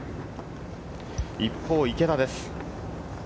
一方、池田です。